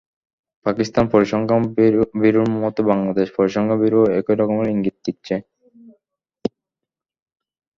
পাকিস্তান পরিসংখ্যান ব্যুরোর মতো বাংলাদেশ পরিসংখ্যান ব্যুরোও একই রকমের ইঙ্গিত দিচ্ছে।